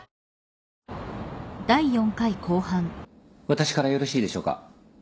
私からよろしいでしょうか。